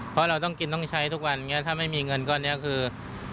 เพราะเราต้องกินต้องใช้ทุกวันนี้ถ้าไม่มีเงินก้อนนี้คือ